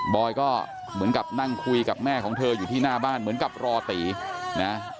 อยก็เหมือนกับนั่งคุยกับแม่ของเธออยู่ที่หน้าบ้านเหมือนกับรอตีนะ